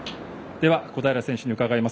では、小平選手に伺います。